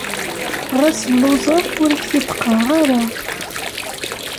Ɣas lluẓeɣ, ur ak-t-id-qqareɣ ara.